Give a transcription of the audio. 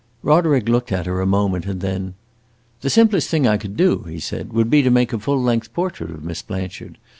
Roderick looked at her a moment, and then "The simplest thing I could do," he said, "would be to make a full length portrait of Miss Blanchard.